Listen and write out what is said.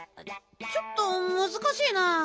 ちょっとむずかしいな。